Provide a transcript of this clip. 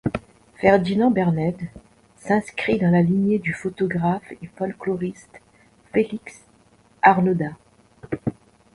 Ferdinand Bernède s'inscrit dans la lignée du photographe et folkloriste Félix Arnaudin.